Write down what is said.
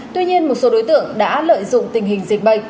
tuy nhiên một số đối tượng đã lợi dụng tình hình dịch bệnh